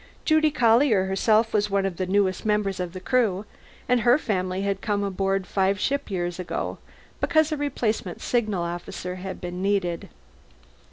Judy Collier herself was one of the newest members of the Crew, and her family had come aboard five ship years ago, because a replacement signal officer had been needed.